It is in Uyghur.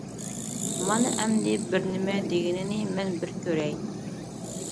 مانا، ئەمدى بىرنېمە دېگىنىنى مەن بىر كۆرەي.